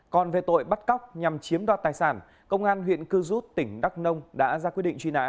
còn về tội bắt cóc nhằm chiếm đoạt tài sản công an huyện cư rút tỉnh đắk nông đã ra quyết định truy nã